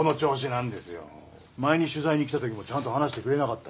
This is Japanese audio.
前に取材に来たときもちゃんと話してくれなかった。